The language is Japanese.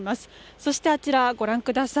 そして、あちらご覧ください。